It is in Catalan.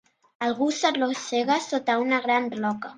Algú s'arrossega sota una gran roca.